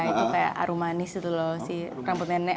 itu kayak aru manis gitu loh si rambut nenek